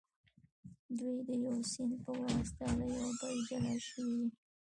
دوی د یو سیند په واسطه له یو بله جلا شوي دي.